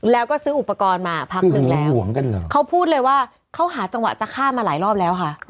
แล้วก็ซื้ออุปกรณ์มาพักนึงแล้วเขาพูดเลยว่าเขาหาจังหวะจะฆ่ามาหลายรอบแล้วค่ะ